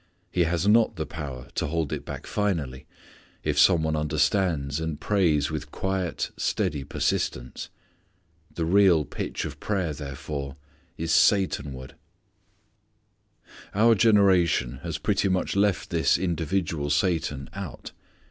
He has not the power to hold it back finally, if some one understands and prays with quiet, steady persistence. The real pitch of prayer therefore is Satanward. Our generation has pretty much left this individual Satan out.